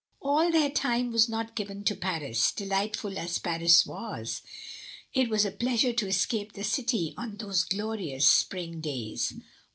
All their time was not given to Paris, delightful as Paris was; it was a pleasure to escape the city on those glorious spring days.